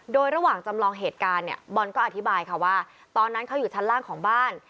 โดยระหว่างจำลองเหตุการณ์เนี่ยบอลก็อธิบายค่ะว่าตอนนั้นเขาอยู่ชั้นล่างของบ้าน